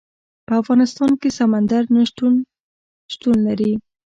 په افغانستان کې سمندر نه شتون شتون لري.